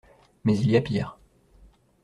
Mais il y a pire.